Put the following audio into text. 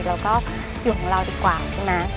เราก็อยู่ของเราดีกว่าใช่ไหม